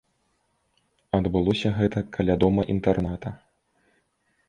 Адбылося гэта каля дома-інтэрната.